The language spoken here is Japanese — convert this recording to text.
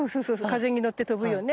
風に乗って飛ぶよね。